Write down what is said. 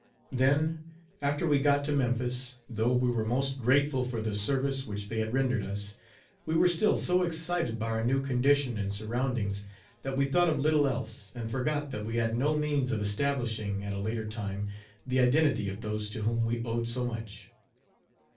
Then, after we got to Memphis, though we were most grateful for the service which they had rendered us, we were still so excited by our new condition and surroundings that we thought of little else, and forgot that we had no means of establishing, at a later time, the identity of those to whom we owed so much.